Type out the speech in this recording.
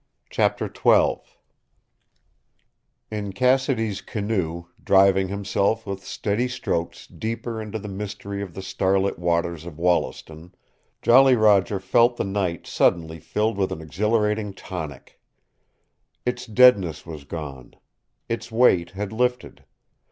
CHAPTER XII In Cassidy's canoe, driving himself with steady strokes deeper into the mystery of the starlit waters of Wollaston, Jolly Roger felt the night suddenly filled with an exhilarating tonic. Its deadness was gone. Its weight had lifted.